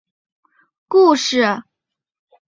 第二季两年后发生的故事。